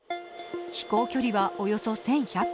飛行距離はおよそ１１００ｋｍ